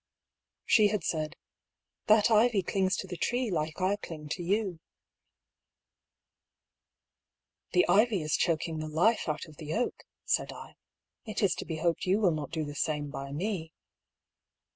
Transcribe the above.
She had said :" That ivy clings to the tree like I cling to you." " The ivy is choking the life out of the oak," said I ;" it is to be hoped you will not do the same by me."